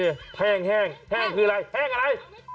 แห้งแห้งแห้งอะไร